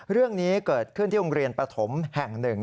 เรื่องนี้เกิดขึ้นที่โรงเรียนปฐมแห่งหนึ่ง